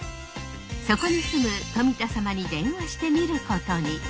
そこに住む富田サマに電話してみることに。